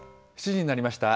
７時になりました。